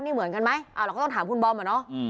นี่เหมือนกันไหมเราก็ต้องถามคุณบอมอะเนาะ